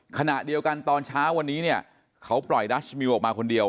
ขณะเดียวกันตอนเช้าวันนี้เนี่ยเขาปล่อยดัชมิวออกมาคนเดียว